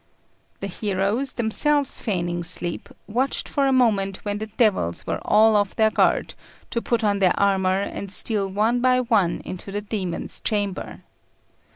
The heroes, themselves feigning sleep, watched for a moment when the devils were all off their guard to put on their armour and steal one by one into the demon's chamber.